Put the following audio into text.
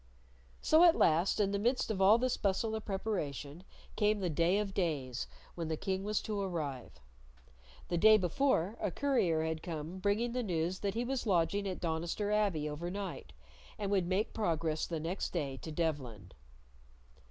So at last, in the midst of all this bustle of preparation, came the day of days when the King was to arrive. The day before a courier had come bringing the news that he was lodging at Donaster Abbey overnight, and would make progress the next day to Devlen.